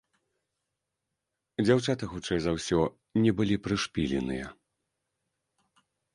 Дзяўчаты хутчэй за ўсё не былі прышпіленыя.